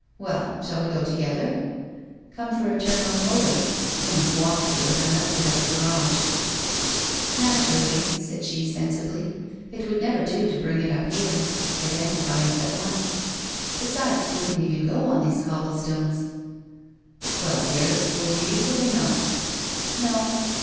Well, shall we go together? Come for a turn on the motor. We must walk to it. I left it at the garage.' 895 296 WHITE ROSE OF WEARY LEAF ' Naturally/ said she sensibly. ' It would never do to bring it up here — identify us at once. Besides it wouldn't even go on these cobble stones/ ' Well, dearest, will you use it or no ?' 'No.'